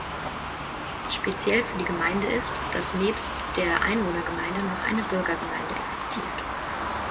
Speziell für die Gemeinde ist, das nebst der Einwohnergemeinde noch eine Burgergemeinde existiert.